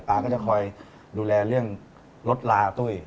ก็จะคอยดูแลเรื่องรถลาตุ้ย